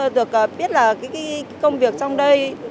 được biết là cái công việc trong đây